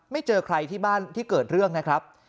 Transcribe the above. เจอใครที่บ้านที่เกิดเรื่องนะครับ